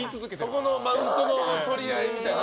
そこのマウントの取り合いみたいな。